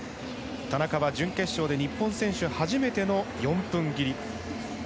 田中は準決勝で日本選手初めての４分切り。